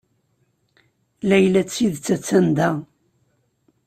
Layla d tidet a-tt-an da.